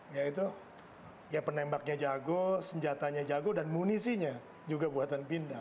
ya itu ya penembaknya jago senjatanya jago dan munisinya juga buatan pindad